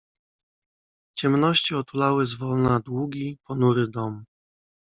"Ciemności otulały zwolna długi, ponury dom."